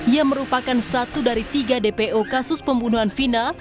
ia merupakan satu dari tiga dpo kasus pembunuhan vina